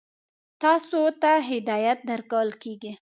تاسو ته هدایت درکول کېږي.